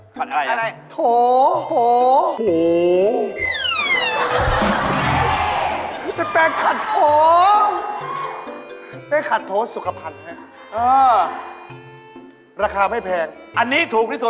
ขัดอะไรอย่างนั้นโถ่โถ่โถ่โถ่โถ่โถ่โถ่โถ่โถ่โถ่โถ่โถ่โถ่โถ่โถ่